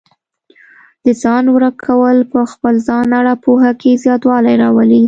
د ځان درک کول په خپل ځان اړه پوهه کې زیاتوالی راولي.